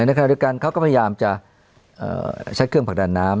ในขณะเดียวกันเขาก็พยายามจะใช้เครื่องผลักดันน้ำ